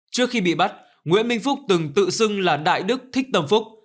trước khi bị bắt nguyễn minh phúc từng tự xưng là đại đức thích tâm phúc